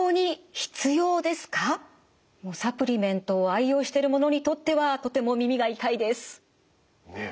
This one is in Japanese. サプリメントを愛用してる者にとってはとても耳が痛いです。ねえ。